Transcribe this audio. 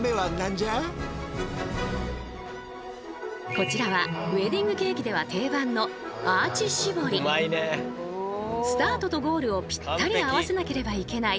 こちらはウエディングケーキでは定番のスタートとゴールをぴったり合わせなければいけない